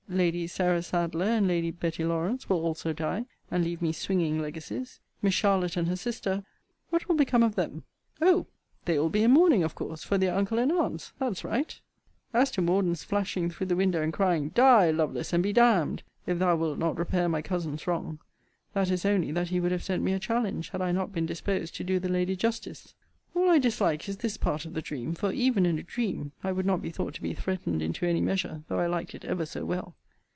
Lady Sarah Sadleir and Lady Betty Lawrance, will also die, and leave me swinging legacies. Miss Charlotte and her sister what will become of the? Oh! they will be in mourning, of course, for their uncle and aunts that's right! As to Morden's flashing through the window, and crying, Die, Lovelace, and be d d, if thou wilt not repair my cousin's wrong! That is only, that he would have sent me a challenge, had I not been disposed to do the lady justice. All I dislike is this part of the dream: for, even in a dream, I would not be thought to be threatened into any measure, though I liked it ever so well.